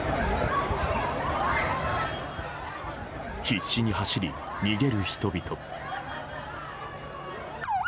必死に走り、逃げる人々。